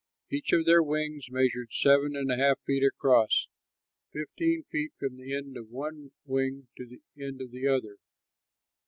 Each of their wings measured seven and a half feet across, fifteen feet from the end of one wing to the end of the other.